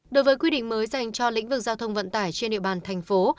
đối với quy định mới dành cho lĩnh vực giao thông vận tải trên địa bàn thành phố